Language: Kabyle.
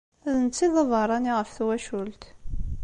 D netta i d abeṛṛani ɣef twacult.